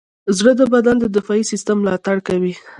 زړه د بدن د دفاعي سیستم ملاتړ کوي.